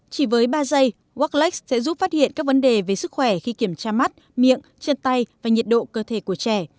chỉ với ba giây warklake sẽ giúp phát hiện các vấn đề về sức khỏe khi kiểm tra mắt miệng chân tay và nhiệt độ cơ thể của trẻ